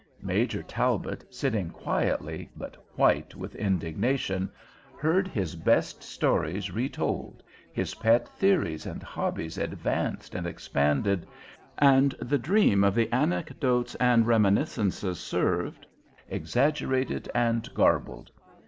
Major Talbot, sitting quietly, but white with indignation, heard his best stories retold, his pet theories and hobbies advanced and expanded, and the dream of the Anecdotes and Reminiscences served, exaggerated and garbled.